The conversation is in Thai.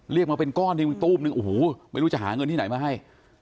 เรียกมาเป็นก้อนเลยตุ้บนึงอูหูไม่รู้จะหาเงินที่ไหนมาให้